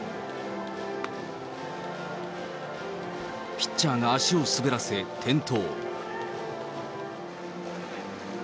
ピッチャーが足を滑らせ転倒。